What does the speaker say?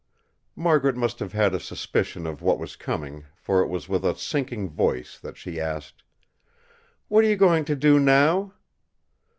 Margaret must have had a suspicion of what was coming, for it was with a sinking voice that she asked: "What are you going to do now?"